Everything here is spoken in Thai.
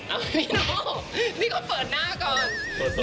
เอาพี่โน่นี่เขาเปิดหน้าก่อน